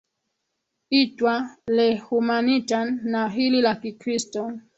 itwa le humanitan na hili la kikristo